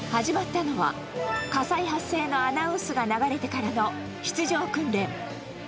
始まったのは、火災発生のアナウンスが流れてからの出場訓練。